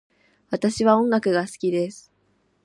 私は音楽が好きです。